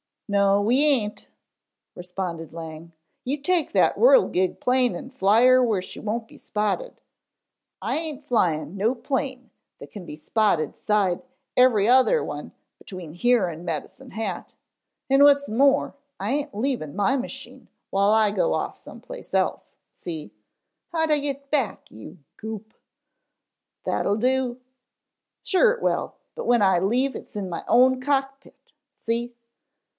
"No we aint," responded Lang. "You take that whirlgig plane en fly her where she won't be spotted " "I aint flying no plane that can be spotted side every other one between here en Medicine Hat. En what's more, I aint leavin' my machine while I go off some place else, see. How'd I get back, you goop " "That'll do " "Sure it will, but when I leave, it's in my own cock pit, see."